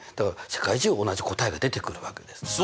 だから世界中同じ答えが出てくるわけです。